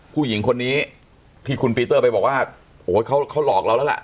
ผู้หญิงคนนี้ที่คุณปีเตอร์ไปบอกว่าโอ้โหเขาหลอกเราแล้วล่ะ